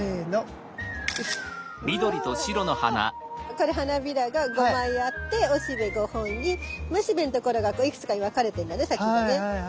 これ花びらが５枚あっておしべ５本にめしべのところがこういくつかに分かれてんだね先がね。